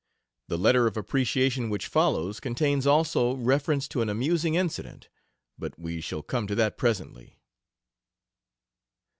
The letter of appreciation which follows contains also reference to an amusing incident; but we shall come to that presently.